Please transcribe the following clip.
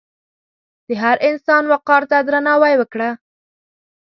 د هر انسان وقار ته درناوی وکړه.